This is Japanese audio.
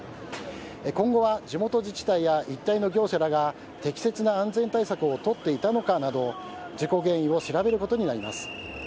今後は地元自治体や一帯の業者らが適切な安全対策を取っていたのかなど事故原因を調べることになります。